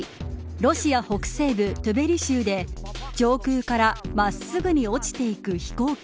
ロシア北西部トゥベリ州で上空から真っすぐに落ちていく飛行機。